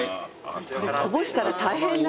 こぼしたら大変な熱さ。